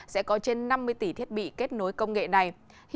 sẽ có trên năm mươi tỷ thiết bị kết nối công nghệ này